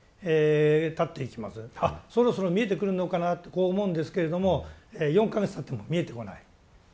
あそろそろ見えてくるのかな？ってこう思うんですけれども４か月たっても見えてこない。